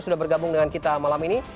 sudah bergabung dengan kita malam ini